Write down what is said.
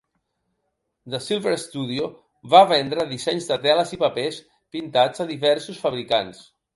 The Silver Studio va vendre dissenys de teles i papers pintats a diversos fabricants.